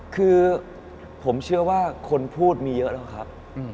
คือผมเชื่อว่าคนพูดมีเยอะแล้วครับ